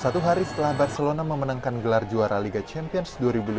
satu hari setelah barcelona memenangkan gelar juara liga champions dua ribu lima belas